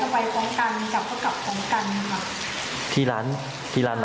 บางครุกเขายังนั่งกินเล่ากินอาหารเข้าไปไปกัน